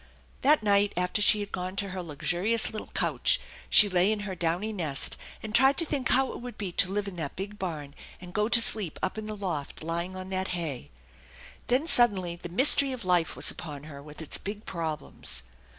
That night after she had gone to her luxurious little couch jshe lay in her downy nest, and tried to think how it would be vto live in that big barn and go to sleep up in the loft, lying on that hay. Then suddenly the mystery of life was upon her with its big problems.